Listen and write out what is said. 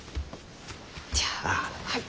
じゃあはい。